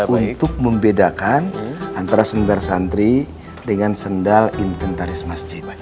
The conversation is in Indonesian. untuk membedakan antara sendal shantri dengan sendal inventaris masjid